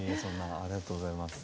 ありがとうございます。